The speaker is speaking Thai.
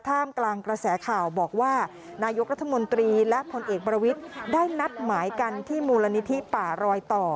ท่ามกลางกระแสข่าวบอกว่านายกรัฐมนตรีและผลเอกประวิทย์ได้นัดหมายกันที่มูลนิธิป่ารอยต่อ